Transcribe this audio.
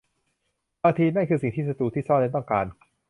บางที นั่นคือสิ่งที่ศ้ตรูที่ซ่อนเร้นต้องการ